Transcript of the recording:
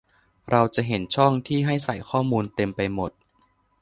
เราจะเห็นช่องที่ให้ใส่ข้อมูลเต็มไปหมด